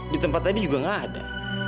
di tempat tadi juga nggak ada